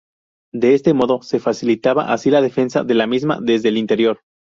De este modo se facilitaba así la defensa de la misma desde el Interior.